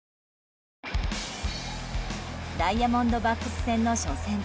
ダイヤモンドバックス戦の初戦。